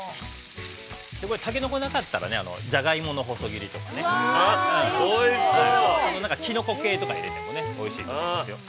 これタケノコなかったらねジャガイモの細切りとかなんかキノコ系とか入れてもねおいしいと思いますよ。